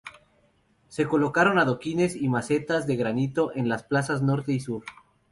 Se colocaron adoquines y macetas de granito en las plazas norte y sur.